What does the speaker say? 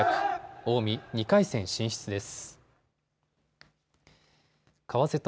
近江、２回戦進出です。